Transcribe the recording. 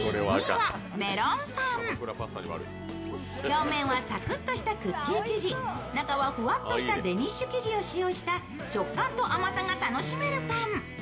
表面はサクッとしたクッキー生地中はフワッとしたデニッシュ生地を使用した食感と甘さが楽しめるパン。